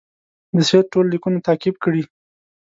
د سید ټول لیکونه تعقیب کړي.